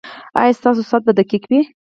ایا ستاسو ساعت به دقیق وي؟